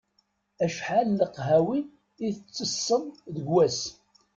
Acḥal n leqhawi i ttesseḍ deg wass?